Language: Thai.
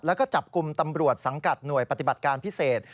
แล้วก็จับกลุ่มตำรวจสังกัดหน่วยปฏิบัติการพิเศษ